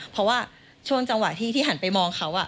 เพราะว่าช่วงจังหวะที่หันไปมองเขา